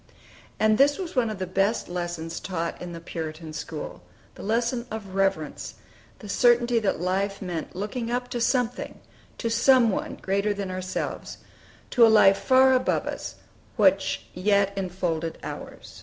And this was one of the best lessons taught in the Puritan school, the lesson of reverence, the certainty that life meant looking up to something, to Some One greater than ourselves, to a Life far above us, which yet enfolded ours.